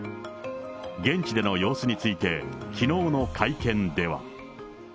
現地での様子について、きのうの会見では。